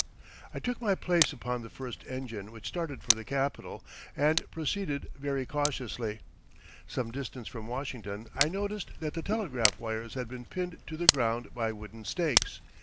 I took my place upon the first engine which started for the Capital, and proceeded very cautiously. Some distance from Washington I noticed that the telegraph wires had been pinned to the ground by wooden stakes.